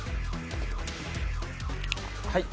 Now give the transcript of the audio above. はい。